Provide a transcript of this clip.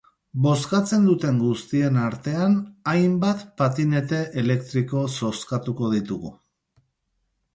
Bozkatzen duten guztien artean, hainbat patinete elektriko zozkatuko ditugu.